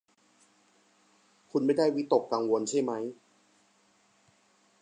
คุณไม่ได้วิตกกังวลใช่มั้ย